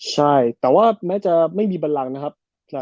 ใช่แต่ว่าแม้จะไม่มีบันลังนะครับ